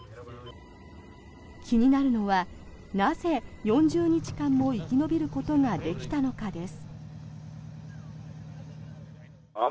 気になるのはなぜ４０日間も生き延びることができたのかです。